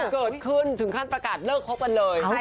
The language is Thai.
เกิดขึ้นถึงขั้นประกาศเลิกคบกันเลย